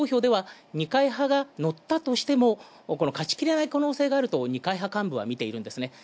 決選投票では二階派が乗ったとしても、勝ちきれない可能性があると二階派幹部は見ているんですね。